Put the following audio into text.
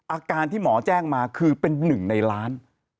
อาการที่หมอแจ้งมาคือเป็นหนึ่งในล้าน